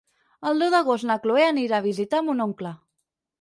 El deu d'agost na Chloé anirà a visitar mon oncle.